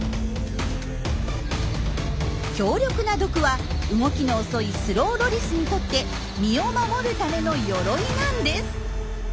強力な毒は動きの遅いスローロリスにとって身を守るための鎧なんです。